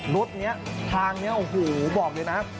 รถนี้ทางนี้โอ้โหบอกเลยนะ